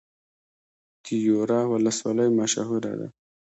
تیوره ولسوالۍ مشهوره ده؟